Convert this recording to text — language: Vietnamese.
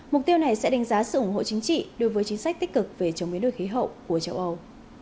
mục tiêu này sẽ đánh giá sự ủng hộ chính trị đối với chính sách tích cực về chống biến đổi khí hậu của châu âu